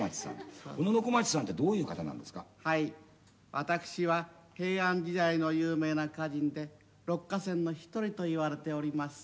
私は平安時代の有名な歌人で六歌仙の１人といわれております。